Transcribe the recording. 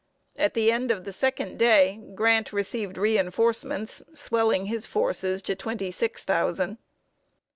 At the end of the second day, Grant received re enforcements, swelling his forces to twenty six thousand.